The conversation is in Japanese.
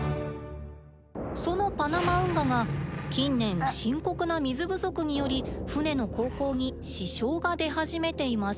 そのパナマ運河が近年深刻な水不足により船の航行に支障が出始めています。